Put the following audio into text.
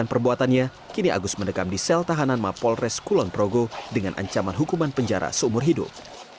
dalam perbuatannya kini agus mendekam di sel tahanan mapolres kulon progo dengan ancaman hukuman penjara seumur hidup